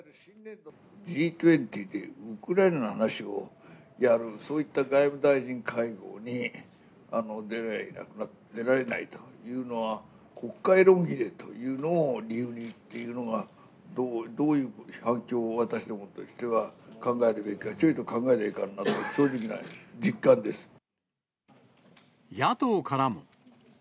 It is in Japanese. Ｇ２０っていうウクライナの話をやる、そういった外務大臣会合に出られないというのは、国会論議を理由にというのは、どういう、私どもとしては考えるべきか、考えなきゃいかんなというのが実野党からも。